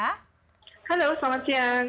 halo selamat siang